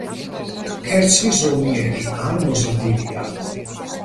ქერცლი ზომიერი, ან მოზრდილია.